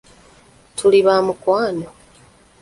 Tuli ba mukwano!